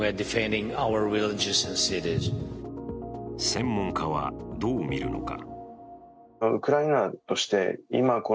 専門家はどう見るのか。